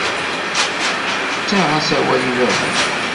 Ttaɣ-as awal i baba-m.